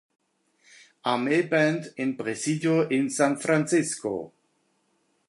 Armee-Band in Presidio in San Francisco.